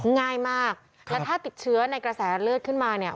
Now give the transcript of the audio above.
ง่ายมากแล้วถ้าติดเชื้อในกระแสเลือดขึ้นมาเนี่ย